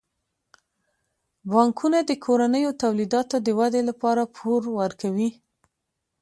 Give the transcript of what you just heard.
بانکونه د کورنیو تولیداتو د ودې لپاره پور ورکوي.